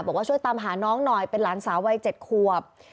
บอกว่าช่วยตามหาน้องหน่อยเป็นหลานสาววัย๗ขวบ